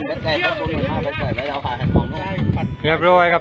เรียบร้อยครับ